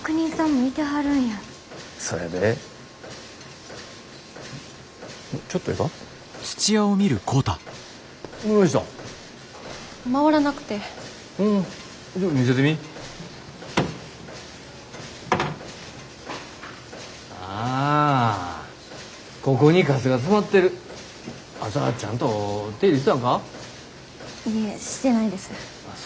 いえしてないです。